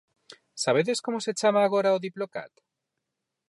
Sabedes como se chama agora o Diplocat?